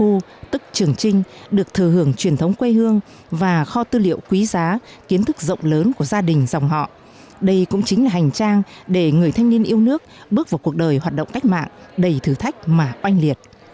tuổi hoa niên của đảng xuân khu tức trường trinh được thừa hưởng truyền thống quê hương và kho tư liệu quý giá kiến thức rộng lớn của gia đình dòng họ đây cũng chính là hành trang để người thanh niên yêu nước bước vào cuộc đời hoạt động cách mạng đầy thử thách mà oanh liệt